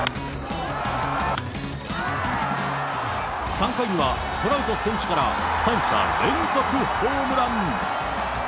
３回には、トラウト選手から３者連続ホームラン。